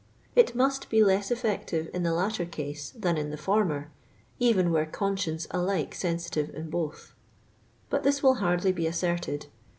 It must be less effective in the latter case than in the former, even were conscience alike sensitive in both. But this will hardly be asserted.